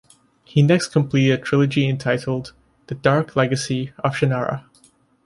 He next completed a trilogy entitled "The Dark Legacy of Shannara".